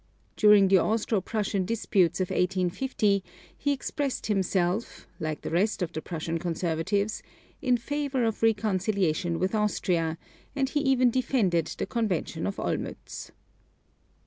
During the Austro Prussian disputes of 1850 he expressed himself, like the rest of the Prussian Conservatives, in favor of reconciliation with Austria, and he even defended the convention of Olmütz.